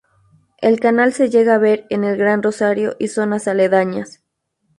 El canal se llega a ver en el Gran Rosario y zonas aledañas.